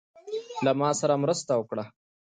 له ماسره مرسته وکړه.